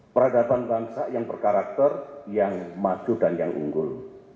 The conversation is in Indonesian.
peradaban bangsa yang berkarakter yang maju dan yang unggul